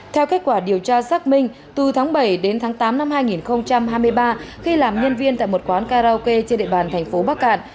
theo kết quả điều tra xác minh từ tháng bảy đến tháng tám năm hai nghìn hai mươi ba khi làm nhân viên tại một quán karaoke trên địa bàn thành phố bắc cạn